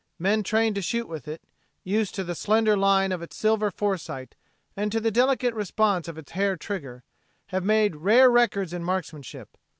Men trained to shoot with it, used to the slender line of its silver foresight and to the delicate response of its hair trigger, have made rare records in marksmanship.